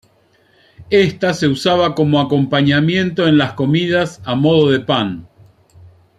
Ésta se usaba como acompañamiento en las comidas a modo de pan.